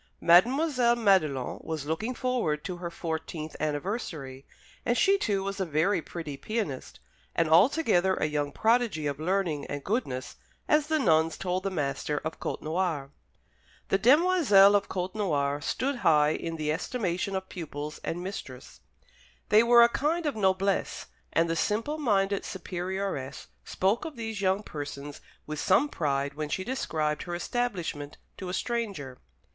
Mademoiselle Madelon was looking forward to her fourteenth anniversary, and she, too, was a very pretty pianist, and altogether a young prodigy of learning and goodness, as the nuns told the master of Côtenoir. The demoiselles of Côtenoir stood high in the estimation of pupils and mistress; they were a kind of noblesse; and the simple minded superioress spoke of these young persons with some pride when she described her establishment to a stranger.